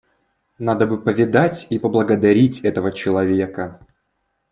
Надо бы повидать и поблагодарить этого человека.